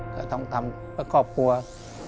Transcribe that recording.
ก็ต้องทำเพื่อขอบควร